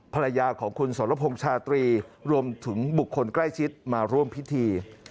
ภรรยาของคุณสรพงษ์ชาตรีรวมถึงบุคคลใกล้ชิดมาร่วมพิธี